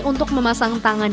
untuk memasang tangan